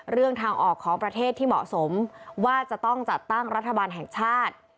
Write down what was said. ทางออกของประเทศที่เหมาะสมว่าจะต้องจัดตั้งรัฐบาลแห่งชาติ